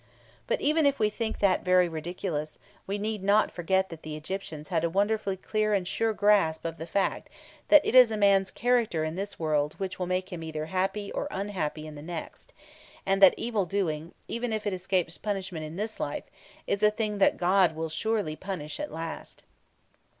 But, even if we think that very ridiculous, we need not forget that the Egyptians had a wonderfully clear and sure grasp of the fact that it is a man's character in this world which will make him either happy or unhappy in the next, and that evil doing, even if it escapes punishment in this life, is a thing that God will surely punish at last.